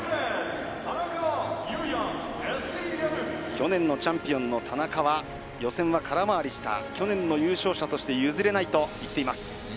去年のチャンピオンの田中は予選は空回りした去年の優勝者として譲れないと言っています。